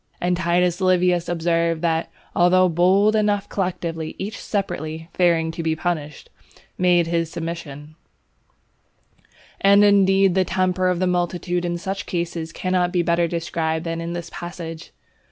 And Titus Livius observes that, "although bold enough collectively, each separately, fearing to be punished, made his submission." And indeed the temper of the multitude in such cases, cannot be better described than in this passage.